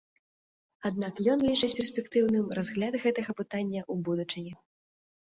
Аднак ён лічыць перспектыўным разгляд гэтага пытання ў будучыні.